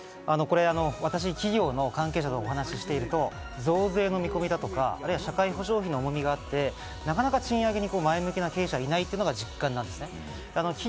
私、企業の関係者とお話をしていると増税の見込みだとか、社会保障費の重みがあって、なかなか賃上げに前向きな経営者がいないというのが実感なんですね。